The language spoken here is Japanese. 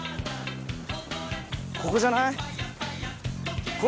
ここじゃない？